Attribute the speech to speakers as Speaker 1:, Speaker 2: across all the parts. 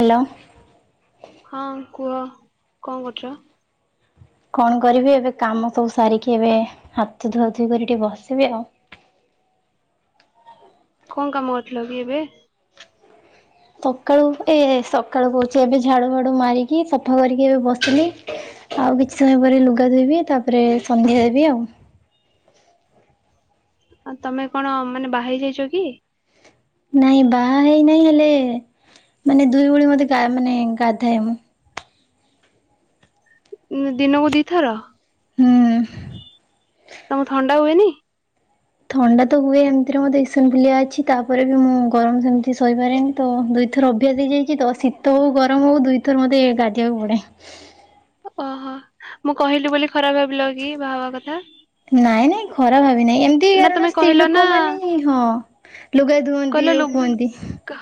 Speaker 1: Hello.
Speaker 2: ହଁ କୁହ କଣ କରୁଛ?
Speaker 1: କଣ କରିବି ଏବେ କାମ ସବୁ ସାରିକି ଏବେ ହାତ ଧୁଆ ଧୁୋଇ କରି ଟିକେ ବସିବି ଆଉ।
Speaker 2: [unintelligible] କଣ କାମ କରିଥିଲ କି ଏବେ।
Speaker 1: ସକାଳୁ ଏ ସକାଳୁ କହୁଛି ଏବେ ଝାଡୁ ଫାଡୁ ମାରିକି ସଫା କରିକି ଏବେ ବସିଲି। ଆଉ କିଛି ସମୟ ପରେ ଲୁଗା ଧୋଇବି ତାପରେ ସନ୍ଧ୍ୟା ଦେବି ଆଉ।
Speaker 2: ଆଉ ତମେ କଣ ମାନେ ବାହାହେଇ ଯାଇଛ କି।
Speaker 1: ନାଇଁ ବାହା ହେଇ ନାଇଁ ହେଲେ। ମାନେ ଦୁଇ ଓଳି ମତେ ମାନେ ଗାଧାଏ ମୁଁ।
Speaker 2: ଦିନକୁ ଦିଥର।
Speaker 1: ହୁଁ।
Speaker 2: ଉ ହୁଏ ନି।
Speaker 1: ଥଣ୍ଡା ତ ହୁଏ ଏମିତିରେ ମୁଁ ଦେସୁନ ପିଲିଆ ଅଛି ତାପରେ ବି ମୁଁ ଗରମ ସେମିତି ସୋଇପାରେନି ତ ଦୁଇଥର ଅଭ୍ୟାସ ହେଇଯାଇଛି ତ ଶୀତ ହଉ ଗରମ ହଉ ଦୁଇଥର ମତେ ଗାଧଜିବାକୁ ପଡେ।
Speaker 2: ଓହୋ ମୁଁ କହିଲି ବୋଲି ଖରାପ ଭାବିଲ କି ବାହାହବା କଥା।
Speaker 1: ନାଇଁ ନାଇଁ ଖରାପ ଭା ନାଁ ଏମିତି
Speaker 2: ନା
Speaker 1: କାରଣ
Speaker 2: ତମେ
Speaker 1: ସ୍ତ୍ରୀ
Speaker 2: କହିଲ ନା
Speaker 1: ଲୋକ ମାନେ ହିଁ ହଁ ଲୁଗା
Speaker 2: କହିଲ
Speaker 1: ଧୁଅନ୍ତି ଯଉ
Speaker 2: ଲୁ
Speaker 1: କୁହନ୍ତି।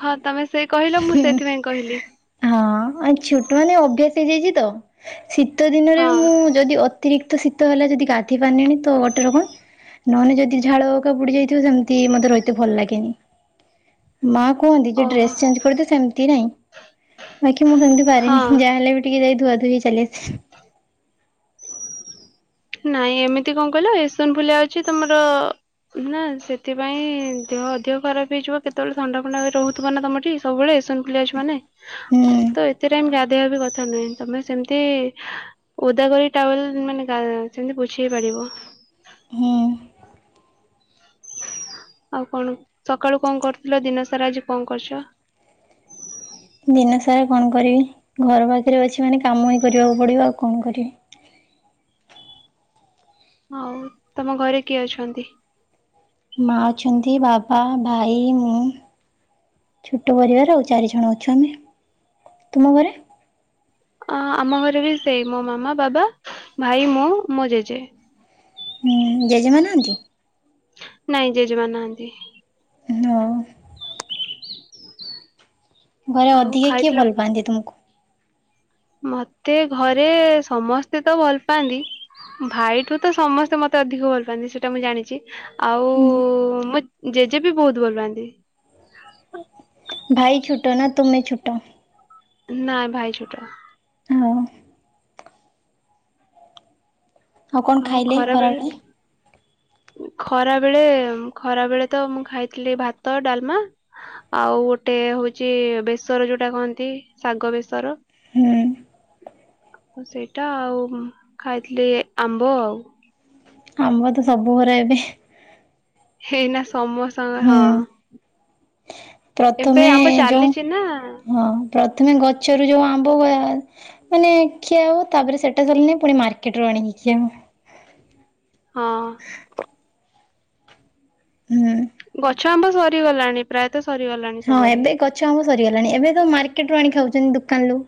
Speaker 2: ହଁ ତମେ ସେ କହିଲ ମୁଁ ସେଥିପାଇଁ କହିଲି
Speaker 1: ହଁ ଆଉ ଛୋଟ ମାନେ ଅଭ୍ୟାସ ହେଇଯାଇଛି। ତ ଶୀତ ଦିନରେ
Speaker 2: ହଁ
Speaker 1: ବି ମୁଁ ଯଦି ଅତିରିକ୍ତ ଶୀ ତ ହେଲା ଯଦି ଗାଥିି ପନ୍ଣି ତ ଗୋଟେ ରକମ। ନହେଲେ ଯଦି ଝାଳକା ବୁଡି ଯାଇଥିବ ସେମିତି ମତେ ରହିତେ ଭଲ ଲାଗେନି।
Speaker 2: [unintelligible]
Speaker 1: ମା କୁହନ୍ତି ଯେ
Speaker 2: ଓହୋ
Speaker 1: ଡ୍ରେସ ଚେଞ୍ଜକରିଦେ ସେମତି ନଁ ବାକି ମୁଁ ସେମତି ପାରିନି
Speaker 2: ହଁ।
Speaker 1: ଯାହା ହେଲେ ବି ଯାଇ ଧୁଆ ଧୁଇ ଚାଲିଆସେ।
Speaker 2: ନାଇଁ ଏମିତି କଣ କହିଲ ଏସନ ଫୁଲ ଅଛି ତମର ନା ସେଥିପାଇଁ ଦେହ ଅଧିକ ଖରାପ ହେଇଯିବ କେତେବେଳେ ଥଣ୍ଡା ଫଣ୍ଡା ରହୁଥିବ ନା ତମଠି ସବୁବେଳେ। ଏସନ ଫୁଲିଆ ଅଛି ମାନେ
Speaker 1: ହୁଁ
Speaker 2: ତ ଏତେ ଟାଇମ୍ ଗା ଧେଇ ବି କଥା ନୁହେଁ ତମେ ସେମିତି ଓଦା କରି ଟ୍ରାଭେଲ ମାନେ ଗା ସେମିତି ବୁଝେଇ ପାରିବ।
Speaker 1: ହଁ।
Speaker 2: ଆଉ କଣ ସକାଳୁ କଣ କରୁଥିଲ ଦିନ ସାରା ଆଜି କଣ କରୁଛ? [unintelligible]
Speaker 1: ଦିନ ସାରା କଣ କରିବି ଘର ପାଖରେ ଅଛି ମାନେ କାମ ହିଁ କରିବାକୁ ପଡିବ ଆଉ କଣ କରିବି।
Speaker 2: [unintelligible] ହଉ ତମ ଘରେ କିଏ ଅଛନ୍ତି?
Speaker 1: ମା ଅଛନ୍ତି ବାବା ଭାଇ ମୁଁ। ଛୋଟ ପରିବାର ଆଉ ଚାରି ଜଣ ଅଛୁ ଆମେ ତୁମ ଘରେ?
Speaker 2: ଅ ଆମ ଘରେ ବି ସେଇ ମୋ ମାମା ବାବା ଭାଇ ମୁଁ ମୋ ଜେଜେ।
Speaker 1: ହୁଁ ଜେଜେମା ନାହାନ୍ତି?
Speaker 2: ନାଇଁ ଜେଜେ ମା ନାହାନ୍ତି।
Speaker 1: ହଁ। ଘରେ
Speaker 2: ଆଉ
Speaker 1: ଅଧିକା କିଏ
Speaker 2: ଖାଇଥିଲ
Speaker 1: ଭଲ ପାଆନ୍ତି ତୁମକୁ?
Speaker 2: ମତେ ଘରେ ସମସ୍ତେ ତ ଭଲ ପାଆନ୍ତି। ଭାଇଠୁ ତ ସମସ୍ତେ ମତେ ଅଧିକ ଭଲ ପାଆନ୍ତି ସେଟା ମୁଁ ଜାଣିଛି। ଆଉ
Speaker 1: ହୁଁ।
Speaker 2: ମୋ ଜେଜେ ବି ବହୁତ ଭଲ ପାଆନ୍ତି।
Speaker 1: ଭାଇ ଛୋଟ ନା ତୁମେ ଛୋଟ
Speaker 2: ନା ଭାଇ ଛୋଟ।
Speaker 1: ହଉ। କଣ
Speaker 2: ଆଉ
Speaker 1: ଖାଇଲେ ଖରାବେଳେ?
Speaker 2: ଖରାବେଳେ। ଖରା ବେଳେ ଖରା ବେଳେ ତ ମୁଁ ଖାଇଥିଲି ଭାତ ଡାଲମା ଆଉ ଗୋଟେ ଟେ ହଉଛି ବେସର ଯୋଉଟା କହନ୍ତି ଶାଗ ବେସର।
Speaker 1: ହୁଁ।
Speaker 2: ସେଇଟା ଆଉ ଖାଇଥିଲି ଆମ୍ବ ଆଉ।
Speaker 1: ଆମ୍ୱ ତ ସବୁ ଘରେ ଏବେ।
Speaker 2: ହେ ନା ସମସ୍ତଙ୍କର
Speaker 1: ହୁଁ
Speaker 2: ହଁ ଏବେ
Speaker 1: ପ୍ରଥମେ
Speaker 2: ଆମ୍ଭ
Speaker 1: ଯୋଉ
Speaker 2: ଚାଲିଛି ନା।
Speaker 1: ହଁ ପ୍ରଥମେ ଗଛରୁ ଯୋଉ ଆମ୍ବ ମାନେ ଖିଆ ହୁଏ ତାପରେ ସେଟା ସରିଲଣିି ପୁଣି ମାର୍କେଟ ଆଣୀ କି ଖିଆ ହବା।
Speaker 2: ହଁ।
Speaker 1: ହୁଁ
Speaker 2: ଗଛ ଆମ୍ବ ସରିଗଲାଣି ପ୍ରାୟତଃ ସରିଗଲାଣି
Speaker 1: ହଁ
Speaker 2: ସବୁଆଡେ
Speaker 1: ଏବେ ଗଛ ଆମ ସରିଗଲାଣି, ଏବେ ତ ମାର୍କେଟ ରୁ ଆଣି ଖାଉଛନ୍ତି ଦୋକାନରୁୁ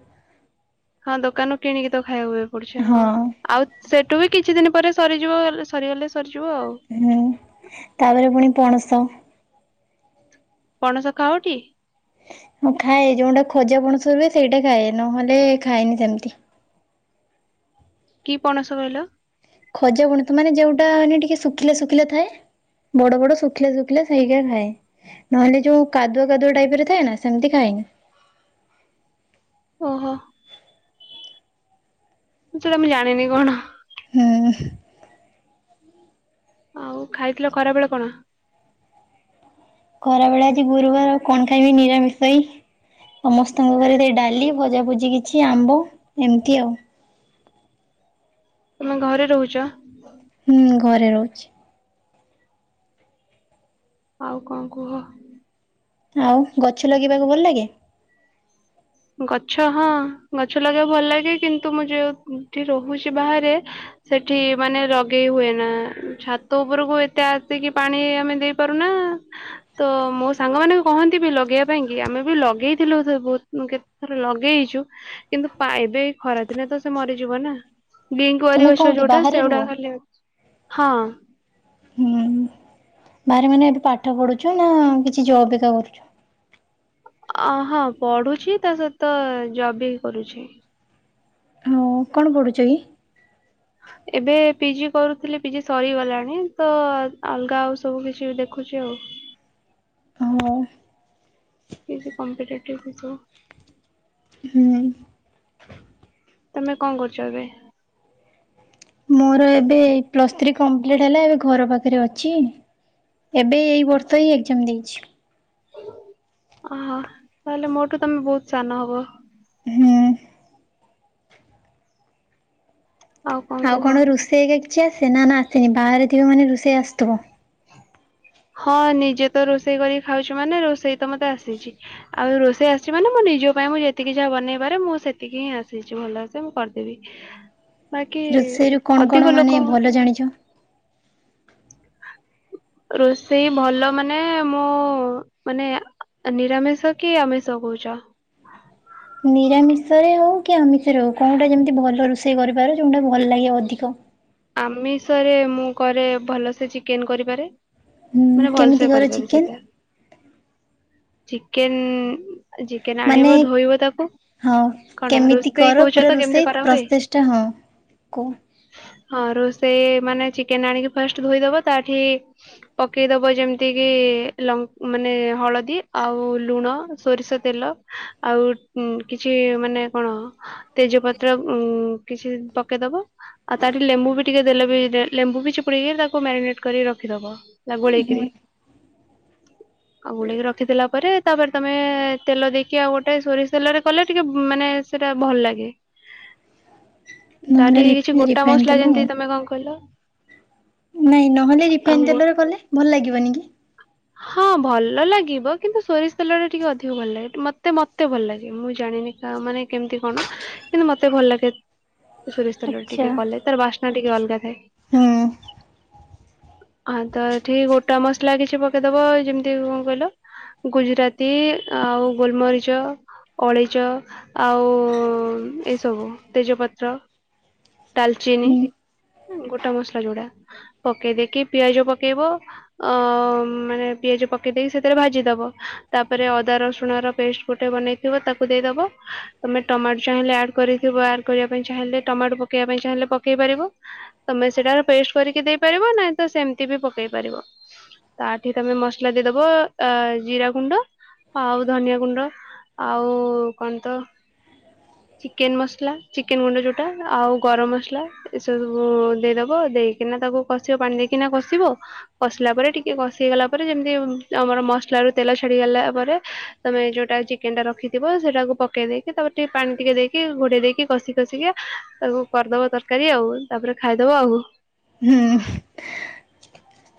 Speaker 2: ହଁ ଦୋକାନରୁ କିଣିକି ତ ଖାଇବାକୁ ପଡୁଛ ହଁ, ଆଉ ସେଠୁ ବି କିଛି ଦିନ ପରେ ସରିଯିବ, ସରିଗଲେ ସରିଯିବ ।
Speaker 1: ହୁଁ, ତାପରେ ପୁଣି ପଣସ
Speaker 2: ପଣସ ଖାଅଟି--?
Speaker 1: ହଁ ଖାଏ, ଯୋଉଟା ଖୋଜାପଣସ ରୁହେ ସେଇଟା ଖାଏ, ନହେଲେ ଖାଏନି ସେମିତି
Speaker 2: କି ପଣସ କହିଲ?
Speaker 1: ଖଜ ବୁଣ ତ ମାନେ ଯୋଉଟା ମାନେ ଟିକେ ଶୁଖିଲେ ଶୁଖିଲେ ଥାଏ । ବଡ ବଡ ଶୁଖିଲା ଶୁଖିଲା ସେଇକା ଖାଏ ନହେଲେ ଯୋଉ କାଦୁଆ କାଦୁଆ ଟାଇପ ରେ ଥାଏ ନା ସେମତି ଖାଏନି
Speaker 2: ଓହୋ। ମୁଁ ସେଟା ମୁଁ ଜାଣିନି କଣ?
Speaker 1: ହଁ
Speaker 2: ଆଉ ଖାଇଥିଲ ଖରା ବେଳେ କଣ?
Speaker 1: ଖରାବେଳେ ଅଜି ଗୁରୁବାରଉ କଣ ଖାଇବି ନିରାମିଷ ହେଇ ସମସ୍ତଙ୍କ ଘରେ ସେଇ ଡାଲି ଭଜାଭୁଜି କିଛି ଆମ୍ବ ଏମିତି ଆଉ
Speaker 2: ତମେ ଘରେ ରହୁଛ?
Speaker 1: ହୁଁ ଘରେ ରହୁଛି
Speaker 2: ଆଉ କଣ କୁହ
Speaker 1: ଆଉ ଗଛ ଲଗେଇବାକୁ ଭଲ ଲାଗେ?
Speaker 2: ଗଛ ହଁ ଗଛ ଲଗେଇବା ଭଲ ଲାଗେ କିନ୍ତୁ ମୁଁ ଯୋଉଠି ରହୁଛି ବାହାରେ ସେଠି ମାନେ ଲଗେଇ ହୁଏ ନା ଛାତ ଉପରକୁ ଏତେ ଆସିକି ପାଣି ଆମେ ଦେଇପାରୁନା ତ ମୋ ସାଙ୍ଗ ମାନଙ୍କୁ କହନ୍ତି ବି ଲଗେଇବା ପାଇଁ କି ଆମେ ବି ଲଗେଇଥିଲୁ ବହୁତ କେ ରେ ଲଗେଇଛୁ କିନ୍ତୁ ପାଇବେ ଖରାଦିନେ ତ ସେ ମରିଯିବ ନା
Speaker 1: ତମେ
Speaker 2: ବିଙ୍କୱାର ଅଛ
Speaker 1: କୋଉଠି
Speaker 2: ଛୋଟା
Speaker 1: ବାହାରେ ରୁହ?
Speaker 2: ସେଟା ଖଲେ ହଁ [inaudible]
Speaker 1: ହୁଁ ବାାରେ ମାନେ ଏବେ ପାଠ ପଢୁଛୁ ନା କିଛି ଜବିକା କରୁଛୁ?
Speaker 2: ଅ ହଁ ପଢୁଛି ତା ସହିତ ଜବ ବି କରୁଛି
Speaker 1: ହଁ କଣ ପଢୁଛ କି?
Speaker 2: ଏବେ ପିଜି କରୁଥିଲି ପିଜି ସରିଗଲାଣି ତ ଅଲଗା ଆଉ ସବୁ କିଛି ଦେଖୁଛି ଆଉ ହୁଁ [inaudible]
Speaker 1: ହଁ
Speaker 2: କି କମ୍ପିେଟିଭ
Speaker 1: ହୁଁ
Speaker 2: ତମେ କଣ କରୁଛ ଏବେ?
Speaker 1: ମୋର ଏବେ ପ୍ଲସ୍ ଥ୍ରୀ କମ୍ପ୍ଲିଟ ହେଲା ଏବେ ଘର ପାଖରେ ଅଛି, ଏବେ ଏଇ ବର୍ଷ ହିଁ ଏକ୍ଜାମ ଦେଇଛି
Speaker 2: ଅ ତାହେଲେ ମୋଠୁ ତମେ ବହୁତ ସାନ ହବ
Speaker 1: ହୁଁ ଆଉ କଣ ରୋଷେଇ କିଛି ଆସେ ନା ନା ଆସେନି ବାହାରେ ଥିବେ ମାନେ ରୋଷେଇ ଆସଥିବ
Speaker 2: ହଁ ନିଜେ ତ ରୋଷେଇ କରିକି ଖାଉଛି ମାନେ ରୋଷେଇ ତ ମତେ ଆସିଛି ଆଉ ରୋଷେଇ ଆସିଛି ମାନେ ମନେ ନିଜ ପାଇଁ ମୁଁ ଯେତିକି ଯାହା ବନେଇ ପାରେ ମୁଁ ସେତିକି ହିଁ ଆସିଛି ଭଲସେ ମୁଁ କରିଦେବି। ବାକି
Speaker 1: ରୋଷେଇରୁ କଣ କଣ
Speaker 2: ଅଧିକ
Speaker 1: ମାନେ
Speaker 2: ଲୋକ
Speaker 1: ଭଲ ଜାଣିଛ?
Speaker 2: ରୋଷେଇ ଭଲ ମାନେ ମୁଁ ମାନେ ନିରାମିଷ କି ଆମିଷ କହୁଛ?
Speaker 1: ନିରାମିଷରେ ହଉ କି ଆମିଷରେ ହଉ କଉଟା ଯେମିତି ଭଲ ରୋଷେଇ କରିପାର ଯୋଉଟା ଭଲ ଲାଗେ ଅଧିକ
Speaker 2: ଆମିଷରେ ମୁଁ କରେ ଭଲସେ ଚିକେନ୍ କରିପାରେ।
Speaker 1: ହୁଁ
Speaker 2: ମାନେ ଭଲ
Speaker 1: କେମିତି
Speaker 2: ସେେ
Speaker 1: କର
Speaker 2: କରିପାର
Speaker 1: ଚିକେନ?
Speaker 2: ସେଇଟା, ଚିକେନ ଚିକେନ
Speaker 1: ମାନେ
Speaker 2: ଆଣିବ ଧୋଇବ ତାକୁ
Speaker 1: ହଁ
Speaker 2: କଣ
Speaker 1: କେମିତି
Speaker 2: ରୋଷେଇ
Speaker 1: କର?
Speaker 2: କହୁଛ
Speaker 1: ପୁରା
Speaker 2: ତ କେମିତି
Speaker 1: ରୋଷେଇ
Speaker 2: କରାହୁଏ?
Speaker 1: ପ୍ରୋସେସଟା, ହଁ କୁହ।
Speaker 2: ରୋଷଇ ମାନେ, ଚିକେନ ଆଣିକି ଫାଷ୍ଟ ଧୋଇଦବ ।ତାଠି ପକେଇ ଦବ ଯେମିତି କି ଲଙ୍କ, ମାନେ ହଳଦୀ, ଆଉ ଲୁଣ, ସୋରିଷତେଲ ଆଉ କିଛି ମାନେ କଣ, ତେଜପତ୍ର କିଛି ପକେଇଦବ ।ଆଉ ତାଠି ଲେମ୍ବୁ ବି ଟିକେ ଦେଲେ, ବି ଲେମ୍ବୁ ବି ଚିପୁଡ଼ିକି ତାକୁ ମ୍ୟାରିନେଟ କରି ରଖିଦବ । ଗୋଳେଇ କିରି। ଆଉ ଗୋଲେଇ କି ରଖିଥିଲା ପରେ, ତାପରେ ତମେ ତେଲ ଦେଇକି ଆଉ ଗୋଟେ ସୋରିଷ ତେଲରେ, କଲେ ଟିକେ ମାନେ ସେଟା ଭଲ ଲାଗେ।
Speaker 1: ନହେଲେ ଲିପି ରିପ୍।
Speaker 2: ସବୁ ମସଲା ଯେମତି ତମେ କଣ, କହିଲ?
Speaker 1: ନାଇଁ, ନହେଲେ ରିଫାଇନ
Speaker 2: ଆମ୍ବୁ
Speaker 1: ତେଲରେ କଲେ ଭଲ ଲାଗିବନି କି?
Speaker 2: ହଁ ଭଲ ଲାଗିବ। କିନ୍ତୁ ସୋରିଷ ତେଲ ଟା ଟିକେ ଅଧିକ ଭଲ ଲାଗେ ମତେ, ମତେ ଭଲ ଲାଗେ ।ମୁଁ ଜାଣିି ମାନେ କା ମାନେ କେମିତି କଣ? କିନ୍ତୁ ମତେ ଭଲ ଲାଗେ। ସୋରିଷ ତେଲ ରେ,
Speaker 1: ଆଚ୍ଛା।
Speaker 2: ଟିକେ କଲେ ତାର ବାସ୍ନା ଟିକେ ଅଲଗା ଥାଏ।
Speaker 1: ହୁଁ
Speaker 2: ଆଉ' ତ ଏଠି ଗୋଟା ମସଲା କିଛି ପକେଇ ଦବ। ଯେମିତି କଣ କହିଲ? ଗୁଜୁରାତି, ଆଉ' ଗୋଲମରିଚ ଅଳେଇଚ, ଆଉ ଏସବୁ ତେଜପତ୍ର ଡାଲଚିନି,
Speaker 1: ହୁଁ
Speaker 2: ଗୋଟା ମସଲା ଯୋଡା ପକେଇ ଦେଇକି ପିଆଜ ପକେଇବ, ଅ ମାନେ, ପିଆଜ ପକେଇ ଦେଇକି ସେଥିରେ ଭାଜିଦବ। ତାପରେ ଅଦା ରସୁଣର ପେଷ୍ଟ ଗୋଟେ ବନେଇଥିବ। ତାକୁ ଦେଇଦବ ଦବ, ତମେ ଟମାଟୋ ଚାହିଁଲେ ଆଡ୍ କରିଥିବ ।ଆଡ କରିବା ପାଇଁ ଚାହିଁଲେ, ଟମାଟୋ ପକେଇବା ପାଇଁ ଚାହିଁଲେ ପକେଇ ପାରିବ ତମେ ସେଟାର ପେଷ୍ଟ କରିକି ଦେଇ ପାରିବ ।ନାଇଁ ତ ସେମତି ବି ପକେଇ ପାରିବ । ଏଠି ତମେ ମସଲା ଦେଇଦବ। ଅ, ଜିରା ଗୁଣ୍ଡ ଆଉ ଧନିଆ ଗୁଣ୍ଡ, ଆଉ, କଣ ତ ଚିକେନ୍ ମସଲା, ଚିକେନ ଗୁଣ୍ଡ ଯୋଉଟା, ଆଉ ଗରମ ମସଲା, ଏସବୁବୁ ଦେଇଦବ ।ଦେଇକିନା ତାକୁ କଷିବ। ପାଣି ଦେଇକିନା କଷିବ ।କଷିଲା ପରେ ଟିକେ କ ସି, ଗଲା ପରେ ଯେମିତି, ଆମର ମସଲାରୁ ତେଲ ଛାଡିଗଲା ପରେ। ତମେ ଯୋଉଟା ଚିକେନ ଟା ରଖିଥିବ ସେଟାକୁ ପକେଇ ଦେଇକି, ତାପରେ ଟିକେ ପାଣି ଟିକେ ଦେଇକି, ଘୋଡେଇ ଦେଇକି। କଷି, କଷିକା ତାକୁ କରିଦବା ତରକାରୀ । ଆଉ ତାପରେ, ଖାଇଦବା ଆଉ
Speaker 1: ହୁଁ,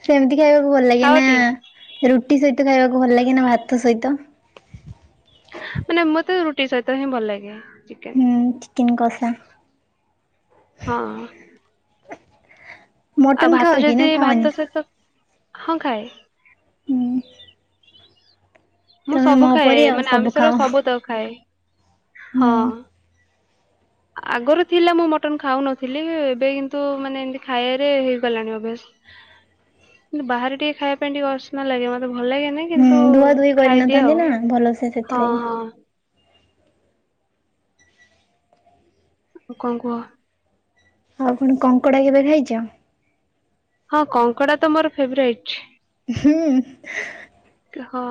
Speaker 1: ସେମିତି ଖାଇବାକୁ ଭଲ ଲାଗେ ନା,
Speaker 2: ଖାଅଟି
Speaker 1: ରୁଟି ସହି ମତେ ଖାଇବାକୁ ଭଲ ଲାଗେନା, ଭାତ ସହିତ।
Speaker 2: ମାନେ, ମତେ ରୁଟି ସହିତ ହିଁ ଭଲ ଲାଗେ। ଚିକେନ
Speaker 1: ହୁଁ, ଚିକେନ କଷା।
Speaker 2: ହଁ। ଆଉ
Speaker 1: ମଟନ ଖାଅ
Speaker 2: ଭାତ
Speaker 1: କି ନା
Speaker 2: ଯଦି,
Speaker 1: ଖାଅନି?
Speaker 2: ଭାତ ସହିତ, ହଁ ଖାଏ।
Speaker 1: ହୁଁ।
Speaker 2: ମୁଁ
Speaker 1: ତମେ
Speaker 2: ସବୁ
Speaker 1: ମୋ
Speaker 2: ଖାଏ
Speaker 1: ପରି ଆଉ
Speaker 2: ।ମାନେ
Speaker 1: ସବୁ
Speaker 2: ଆମିଷର
Speaker 1: ଖାଅ ହୁଁ
Speaker 2: ସବୁ ତ ଖାଏ। ହଁ। ଆଗରୁ ଥିଲା ମୁଁ ମଟନ୍ ଖାଉନଥିଲି। ଏବେ କିନ୍ତୁ, ମାନେ ଏମିତି ଖାଇବାରେ ହେଇଗଲାଣି, ଅଭ୍ୟାସ। କିନ୍ତ ବାହାରେ ଟିକେ ଖାଇବା ପାଇଁ, ଟିକେ ଅସନା ଲାଗେ ମତେ । ଭଲ ଲାଗେନି,
Speaker 1: ହୁଁ
Speaker 2: କିନ୍ତୁ
Speaker 1: ଧୁଆ ଧୁଇ
Speaker 2: ଖାଇଦିଏ
Speaker 1: କରିନଥାନ୍ତି
Speaker 2: ଆଉ।
Speaker 1: ନା ଭଲସେ
Speaker 2: ହଁ,
Speaker 1: ସେଥିଲାଗି।
Speaker 2: ହଁ। ଆଉ କଣ, କୁହ?
Speaker 1: ଆଉ କଣ, କଙ୍କଡା କେବେ ଖାଇଛ?
Speaker 2: ହଁ, କଙ୍କଡା ତ ମୋର ଫେବରାଇଟ୍।
Speaker 1: ହୁଁ।
Speaker 2: ହଁ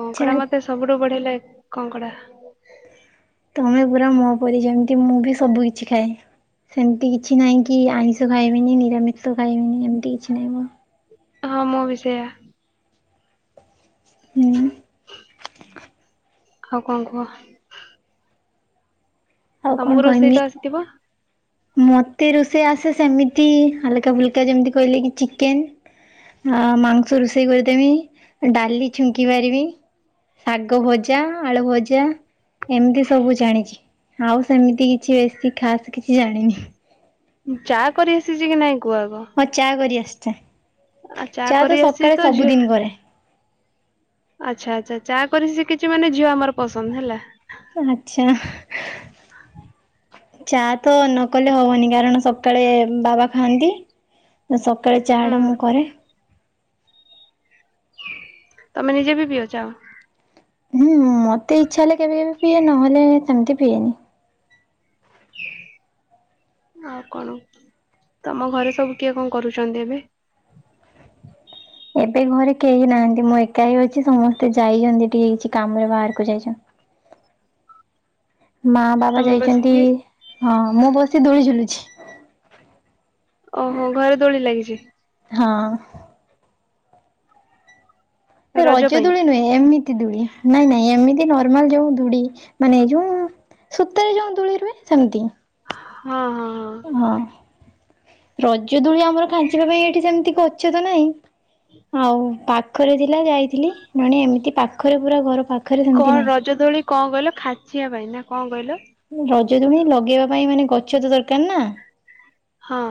Speaker 1: ଆଛା
Speaker 2: ମତେ ସବୁଠୁ ବଢିଆ ଲାଗେ। କଙ୍କଡ଼ା।
Speaker 1: ତମେ ପୁରା ମୋ ପରି ।ଯେମତି ମୁଁ ବି ସବୁ କିଛି ଖାଏ। ସେମିତି କିଛି ନାହିଁ। କି ଆଇିଁଷ ଖାଇବିନି, ନିରାମିଷ ଖାଇବିନି, ଏମିତି କିଛି ନାହିଁ।
Speaker 2: ହଁ ।ମୁଁ ବି ସେୟା।
Speaker 1: ହୁଁ। ହ [inaudible]
Speaker 2: ଆଉ କଣ କୁହ?
Speaker 1: ଆଉ କଣ
Speaker 2: ତମକୁ
Speaker 1: କହିମି
Speaker 2: ରୋଷେଇତ ଆସିଥିବ?
Speaker 1: ମତେ ରୋଷେଇ ଆସେ ସେମିତି ହାଲକା ଫୁଲକା ଯେମିତି କହିଲେ କି ଚିକେନ? ଆ ମାଂସ ରୋଷେଇ କରିଦେମି ଡାଲି ଛୁଙ୍କି ପାରିବି। ଶାଗ ଭଜା ଆଳୁ ଭଜା ଏମିତି ସବୁ ଜାଣିଛି। ଆଉ ସେମିତି କିଛି ବେଶୀ ଖାସ କିଛି ଜାଣିନି।
Speaker 2: ଚା କରି ଆସିଛି କି ନାଇଁ? କୁହ ଆଗ
Speaker 1: ହଁ ଚା କରି ଆସଛେ
Speaker 2: ଆ
Speaker 1: ଚା
Speaker 2: କରି
Speaker 1: ତ
Speaker 2: ଆସିଛି
Speaker 1: ସକାଳେ
Speaker 2: ଝିଅ
Speaker 1: ସବୁଦିନ କରେ।
Speaker 2: ଆଚ୍ଛା ଆଚ୍ଛା ଚା କରି ଶିଖିଛି ମାନେ ଝିଅ ଆମର ପସନ୍ଦ ହେଲା।
Speaker 1: ଆଚ୍ଛା। ଚା ତ ନ କଲେ ହବନି କାରଣ ସକାଳେ ବାବା ଖାଆନ୍ତି। ନା ସକାଳେ ଚା
Speaker 2: ହୁଁ
Speaker 1: ଟା ମୁଁ କରେ।
Speaker 2: ତମେ ନିଜେ ବି ପିଉଚ୍ଛ?
Speaker 1: ହୁଁ ମତେ ଇଚ୍ଛା ହେଲେ କେବେ କେବେ ପିଏ ନହେଲେ ସେମିତି ପିଏନି।
Speaker 2: ହଁ। ଆଉ କଣ ତମ ଘରେ ସବୁ କିଏ କଣ କରୁଛନ୍ତି ଏବେ?
Speaker 1: ଏବେ ଘରେ କେହି ନାହାଁନ୍ତି ମୋ ଏକା ହେି ଅଛି ସମସ୍ତେ ଯାଇଛନ୍ତି ଟିକେ କିଛି କାମରେ ବାହାରକୁ ଯାଇଛନ୍ତି। ମା ବାବା
Speaker 2: ତମେ
Speaker 1: ଯାଇଛନ୍ତି
Speaker 2: ବସିକି
Speaker 1: ହଁ ମୁଁ ବସି ଦୋଳି ଝୁଲୁଛି।
Speaker 2: ଓହୋ ଘରେ ଦୋଳି ଲାଗିଛି?
Speaker 1: ହଁ। ସେ ରଜ ଦୋଳି ନୁହେଁ ଏମିତି ଦୂଳି। ନାଇଁ ନାଇଁ ଏମିତି ନର୍ମାଲ ଯୋଉ ଧୁଡି ମାନେ ଯୋଉ ସତରେ ଯୋଉ ଦୋଳି ରହେ ସେମିତି।
Speaker 2: ହଁ ହଁ।
Speaker 1: ହଁ ରଜ ଦୋଳି ଆମର ଖାଞ୍ଚିବା ପାଇଁ ଏଠି ସେମିତି କରଛ ତ ନାଇଁ ଆଉ ପାଖରେ ଥିଲା ଯାଇଥିଲି। ନହେଲେ ଏମିତି ପାଖରେ ପୁରା ଘର ପାଖ।
Speaker 2: କଣ ରଜ ଦୋଳି କଣ କହିଲ ଖାଚିବା ପାଇଁ ନା କଣ କହିଲ?
Speaker 1: ରଜ ଦୁଳି ଲଗେଇବା ପାଇଁ ମାନେ ଗଛ ତ ଦରକାର ନା।
Speaker 2: ହଁ।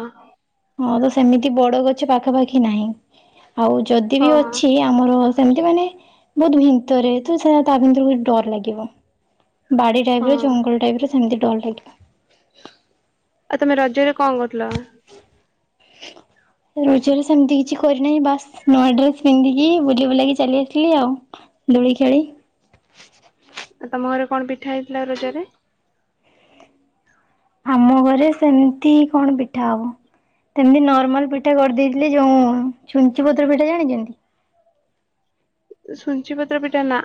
Speaker 1: ହଁ ତ ସେମିତି ବଡ ଗଛ ପାଖାପାଖି ନାହିଁ ଆଉ ଯଦି ବି
Speaker 2: ହଁ
Speaker 1: ଅଛି ଆମର ସେମତି ମାନେ ବହୁତ ଭିତରେ ତ ସେଟ ତା ଭିତରେ ଡର ଲାଗିବ। ବାଡି ଟାଇପ ର
Speaker 2: ହଁ
Speaker 1: ଜଙ୍ଗଲ ଟାଇପର ସେମିତି ଡର ଲାଗେ।
Speaker 2: ଆଉ ତମେ ରଜରେ କଣ କରିଥିଲ? [inaudible]
Speaker 1: ରଜରେ ସେମିତି କିଛି କରିନାହିଁ ବାସ୍ ନୂଆ ଡ୍ରେସ ପିନ୍ଧିକି ବୁଲି ବୁଲାକି ଚାଲି ଆସିଲି ଆଉ। ଦୁଳି ଖେଳି
Speaker 2: ଆଉ ତମ ଘରେ କଣ ପିଠା ହେଇଥିଲା ରଜରେ?
Speaker 1: ଆମ ଘରେ ସେମିତି କଣ ପିଠା ହବ। ସେମିତି ନର୍ମାଲ ପିଠା କରିଦେଇଥିଲି ଯୋଉ ଛୁଞ୍ଚି ପତ୍ର ପିଠା ଜାଣିଛନ୍ତି?
Speaker 2: ସୁଞ୍ଚି ପତ୍ର ପିଠା ନା।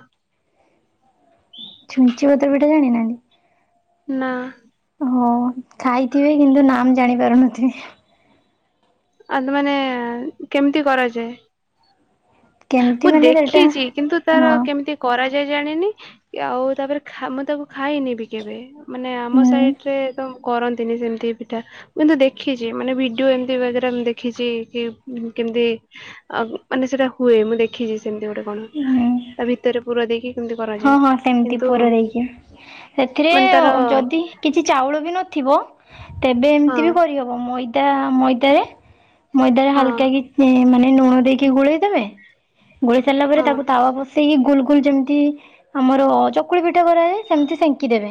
Speaker 1: ଛୁଞ୍ଚି ପତ୍ର ପିଠା ଜାଣିନାହାନ୍ତି?
Speaker 2: ନା।
Speaker 1: ହ ଖାଇଥିବେ କିନ୍ତୁ ନାମ ଜାଣି ପାରୁନଥିବେ।
Speaker 2: ଆଉ ମାନେ କେମିତି କରାଯାଏ?
Speaker 1: କେମିତି
Speaker 2: ମୁଁ
Speaker 1: ମାନେ ସେଟା
Speaker 2: ଦେଖିଛି କିନ୍ତୁ
Speaker 1: ହଁ
Speaker 2: ତାର କେମିତି କରାଯ ଯାଏ ଜାଣିନି ଆଉ ତାପରେ ମୁଁ ତାକୁ ଖାଇନି ବି କେବେ। ମାନେ ଆମ
Speaker 1: ହୁଁ
Speaker 2: ସାଇଟ ରେ ସବୁ କରନ୍ତିନି ସେମିତି ପିଠା ମୁଁ କିନ୍ତୁ ଦେଖିଚି ମାନେ ଭିଡିଓ ଏମିତି ସେଟ ମୁ ଦେଖିଛି କି କେମତି ଅ-ମାନେ ସେଟା ହୁଏ ମୁଁ ଦେଖିଚି। ସେମିତି ଗୋଟେ କଣ
Speaker 1: ହୁଁ
Speaker 2: ତା ଭିତରେ ପୁର ଦେଇକି କେମିତି
Speaker 1: ହଁ
Speaker 2: କରାଯାଏ।
Speaker 1: ହଁ ସେମିତି
Speaker 2: କିନ୍ତୁ
Speaker 1: ପୁର ଦେଇକି। ସେଥିରେ
Speaker 2: ମାନେ ତାର
Speaker 1: ଯଦି କିଛି ଚାଉଳ ବି ନଥିବ ତେବେ
Speaker 2: ହଁ
Speaker 1: ଏମତି ବି କରିହବ ମଇଦା ମଇଦାରେ ମଇଦାରେ
Speaker 2: ହଁ
Speaker 1: ହାଲକା କିଛି ମାନେ ଲୁଣ ଦେଇକି ଗୋଳେଇଦେବେ ଗୋଳେଇ ସାରିଲା ପରେ
Speaker 2: ହଁ।
Speaker 1: ତାକୁ ତାୱଆ ବସେଇକି ଗୁଲ ଗୁଲ ଯେମିତି ଆମର ଚକୁଳି ପିଠା କରାଏ ସେମିତି ସେଙ୍କି ଦେବେ।